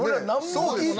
そうですよ！